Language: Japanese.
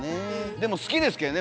でも好きですけどね